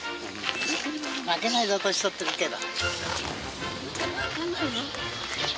負けないぞ、年取ってるけど。